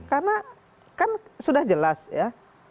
karena kan sudah jelas ya